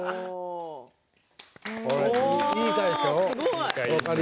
いい回でしょう。